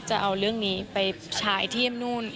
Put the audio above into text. จะเอาเรื่องนี้ไปฉายที่เยี่ยมนู่น